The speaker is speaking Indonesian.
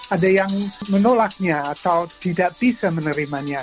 ada yang menolaknya atau tidak bisa menerimanya